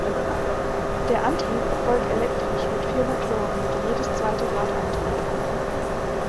Der Antrieb erfolgt elektrisch mit vier Motoren, die jedes zweite Rad antreiben.